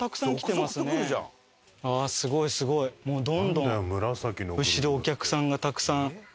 どんどん後ろお客さんがたくさん。